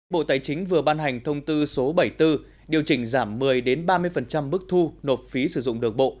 bộ tài chính vừa ban hành thông tư số bảy mươi bốn điều chỉnh giảm một mươi ba mươi mức thu nộp phí sử dụng đường bộ